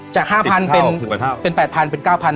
จากห้าพันเป็นสิบเท่าสิบเท่าเป็นแปดพันเป็นเก้าพัน